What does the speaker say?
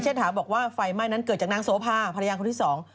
หาบอกว่าไฟไหม้นั้นเกิดจากนางโสภาภรรยาคนที่สอง